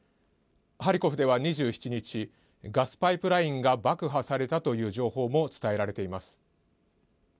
ハリコフでは２７日ガスパイプラインが爆破されたとの情報も伝えられています。